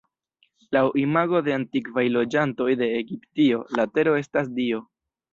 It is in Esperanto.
Laŭ imago de antikvaj loĝantoj de Egiptio, la tero estas dio.